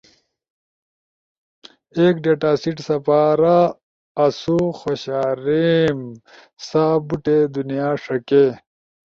ایک ڈیٹا سیٹ سپارا آسو خوشاریم سا بوٹے دنیا ݜکے۔